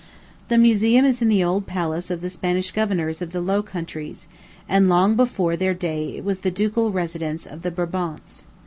The Museum is in the old palace of the Spanish governors of the Low Countries, and long before their day it was the ducal residence of the Brabants.